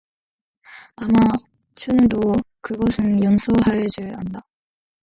아마 춘우도 그것은 용서 할 줄 안다.